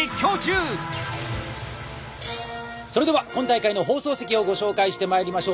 それでは今大会の放送席をご紹介してまいりましょう。